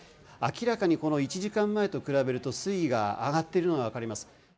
明らかにこの１時間前と比べると水位が上がっているのが分かります」。